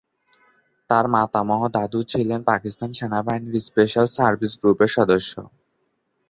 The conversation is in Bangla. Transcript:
তাঁর মাতামহ দাদু ছিলেন পাকিস্তান সেনাবাহিনীর স্পেশাল সার্ভিস গ্রুপের সদস্য।